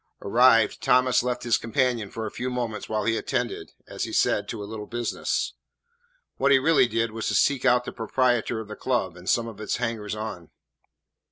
Arrived, Thomas left his companion for a few moments while he attended, as he said, to a little business. What he really did was to seek out the proprietor of the club and some of its hangers on.